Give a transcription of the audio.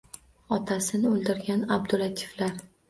Otasin o’ldirgan Abdullatiflar.